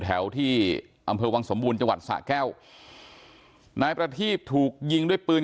แถวที่อำเภอวังสมบูรณ์จังหวัดสะแก้วนายประทีบถูกยิงด้วยปืน